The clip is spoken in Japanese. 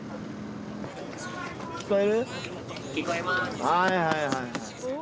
聞こえる？